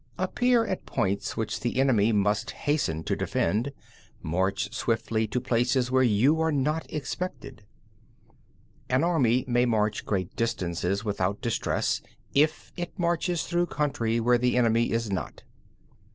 5. Appear at points which the enemy must hasten to defend; march swiftly to places where you are not expected. 6. An army may march great distances without distress, if it marches through country where the enemy is not. 7.